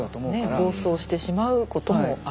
暴走してしまうこともある。